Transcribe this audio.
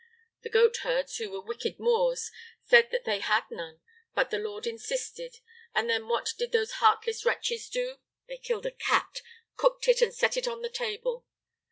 The goat herds, who were wicked Moors, said that they had none; but the Lord insisted, and then what did those heartless wretches do? They killed a cat, cooked it, and set it on the table.